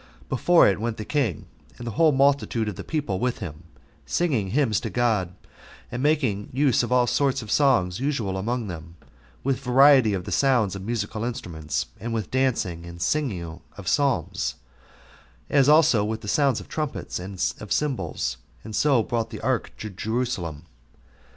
Before it went the king, and the whole multitude of the people with him, singing hymns to God, and making use of all sorts of songs usual among them, with variety of the sounds of musical instruments, and with dancing and singing of psalms, as also with the sounds of trumpets and of cymbals, and so brought the ark to Jerusalem.